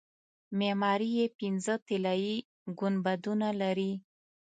معماري یې پنځه طلایي ګنبدونه لري.